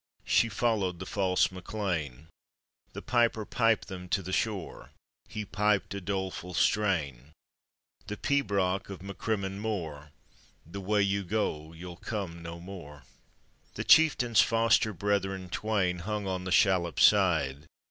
She followed the fake Mac Loin, The piper piped them to the •bore, He piped a doleful strain : The pibroch of Macrimmon M6r:' "The way you go you'll come no more." The chieftain's foster brethren twain Hung on the shallop's side.